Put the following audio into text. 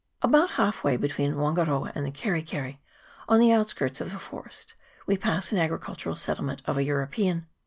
About half way between Wangaroa and the Keri keri, on the outskirts of the forest, we pass an agricultural settlement of a European.